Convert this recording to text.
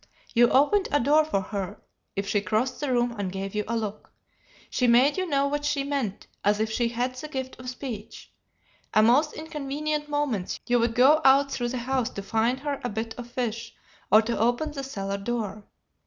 You opened a door for her if she crossed the room and gave you a look. She made you know what she meant as if she had the gift of speech: at most inconvenient moments you would go out through the house to find her a bit of fish or to open the cellar door.